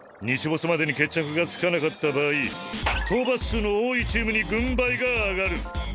日没までに決着がつかなかった場合討伐数の多いチームに軍配が上がる。